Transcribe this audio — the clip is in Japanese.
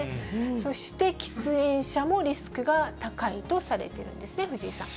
そして、喫煙者もリスクが高いとされているんですね、藤井さん。